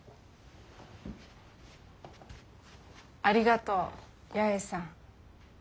ありがとう八重さん。